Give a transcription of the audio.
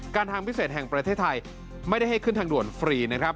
ทางพิเศษแห่งประเทศไทยไม่ได้ให้ขึ้นทางด่วนฟรีนะครับ